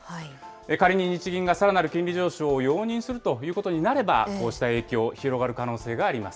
仮に日銀がさらなる金利上昇を容認するということになれば、こうした影響、広がる可能性があります。